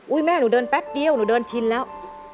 แม่หนูเดินแป๊บเดียวหนูเดินชินแล้ว